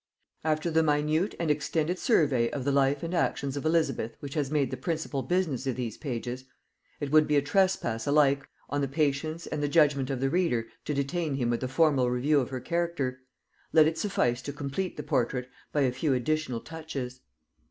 After the minute and extended survey of the life and actions of Elizabeth which has made the principal business of these pages, it would be a trespass alike on the patience and the judgement of the reader to detain him with a formal review of her character; let it suffice to complete the portrait by a few additional touches.